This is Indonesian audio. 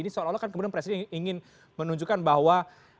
ini seolah olah kan kemudian presiden ingin menunjukkan bahwa